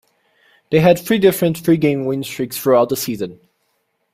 They had three different three game win streaks throughout the season.